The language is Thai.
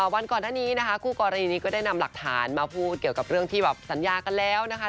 วันก่อนหน้านี้นะคะคู่กรณีนี้ก็ได้นำหลักฐานมาพูดเกี่ยวกับเรื่องที่แบบสัญญากันแล้วนะคะ